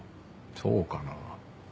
そうかなぁ。